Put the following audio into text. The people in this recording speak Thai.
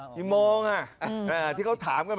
พี่มองอ่ะที่เขาถามกันมา